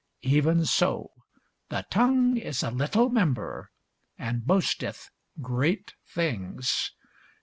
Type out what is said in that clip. Even so the tongue is a little member, and boasteth great things.